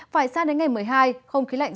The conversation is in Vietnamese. phải sang đến ngày một mươi hai không khí lạnh